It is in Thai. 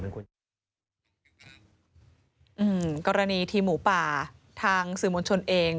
กรณีทีมหมูป่าทางสื่อมวลชนเอง